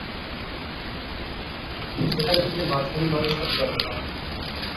সেখানে তিনি মাঝারিমানের সফলতা পান।